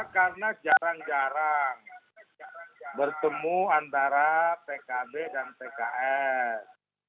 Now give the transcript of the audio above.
karena jarang jarang bertemu antara pkb dan pks